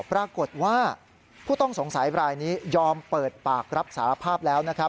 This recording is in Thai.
ปรากฏว่าผู้ต้องสงสัยรายนี้ยอมเปิดปากรับสารภาพแล้วนะครับ